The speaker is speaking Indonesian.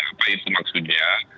oke apa itu maksudnya